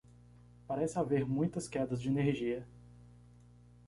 Parece haver muitas quedas de energia.